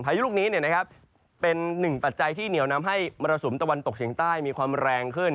พายุลูกนี้เป็นหนึ่งปัจจัยที่เหนียวนำให้มรสุมตะวันตกเฉียงใต้มีความแรงขึ้น